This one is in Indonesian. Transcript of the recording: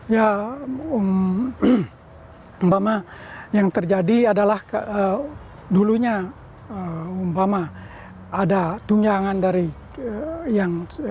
ya umpama yang terjadi adalah dulunya umpama ada tunjangan dari yang